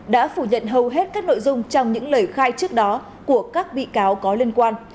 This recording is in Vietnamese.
đã phủ nhận hầu hết các nội dung trong những lời khai trước đó của các bị cáo có liên quan